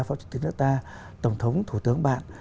phó chủ tịch nước ta tổng thống thủ tướng bạn